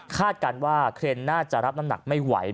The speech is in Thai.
การว่าเครนน่าจะรับน้ำหนักไม่ไหว